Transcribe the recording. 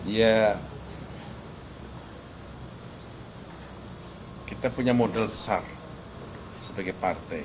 ya kita punya modal besar sebagai partai